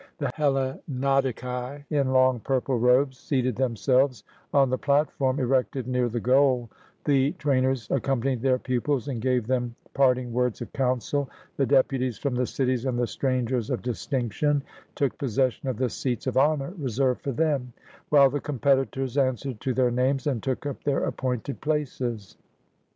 The Hellanodicae, in long purple robes, seated themselves on the platform erected near the goal, the trainers accompanied their pupils and gave them part ing words of counsel, the deputies from the cities and the strangers of distinction took possession of the seats of honor reserved for them, while the competitors an swered to their names and took up their appointed places.